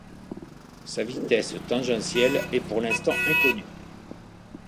Sa vitesse tangentiel est pour l'instant inconnue.